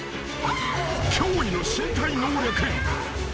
［驚異の身体能力］